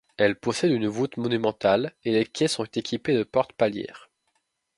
Elle possède une voûte monumentale et les quais sont équipés de portes palières.